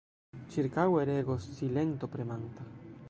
Ĉirkaŭe regos silento premanta.